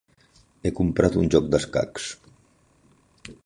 He comprat un joc d'escacs.